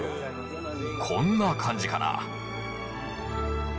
こんな感じかな。